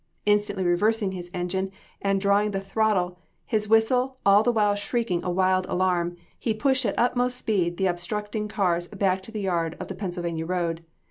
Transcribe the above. Instantly reversing his engine and drawing the throttle, his whistle all the while shrieking a wild alarm, he pushed at utmost speed the obstructing cars back to the yard of the Pennsylvania road.